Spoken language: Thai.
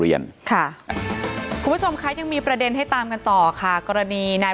เรียนค่ะคุณผู้ชมคะยังมีประเด็นให้ตามกันต่อค่ะกรณีนาย